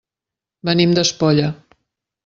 Venim d'Espolla.